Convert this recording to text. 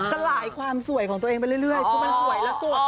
สลายความสวยของตัวเองไปเรื่อย